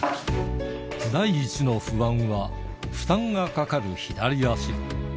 第１の不安は負担がかかる左足。